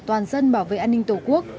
toàn dân bảo vệ an ninh tổ quốc